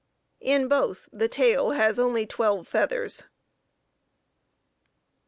In both the tail has only twelve feathers.